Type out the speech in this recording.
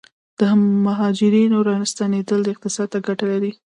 د مهاجرینو راستنیدل اقتصاد ته ګټه لري؟